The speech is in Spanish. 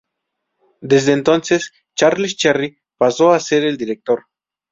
Desde entonces Charles Cherry pasó a ser el director.